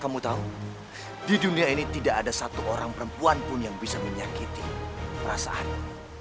kamu tahu di dunia ini tidak ada satu orang perempuan pun yang bisa menyakiti perasaanmu